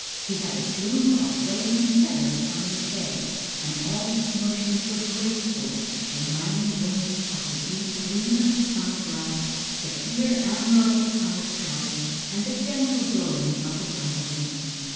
He had a plume of waving feathers on his head, and all his motions were graceful, reminding Wunzh of the deep green of the summer grass, the clear amber of the summer sky, and the gentle blowing of the summer wind.